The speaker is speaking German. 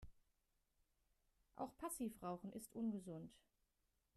Auch Passivrauchen ist ungesund.